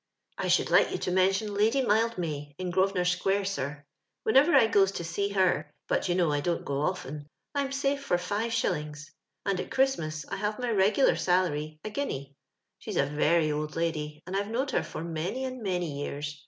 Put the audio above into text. " I should like you to mention Lady Mild may in Grosvenor square, sir, "SVIienevcr I goes to see her — but you know I don't go often — I'm safe for fi*., and at Chiistmas I have my regular salary, a guinea. She's a very old lady, and I've knowed her for many and many years.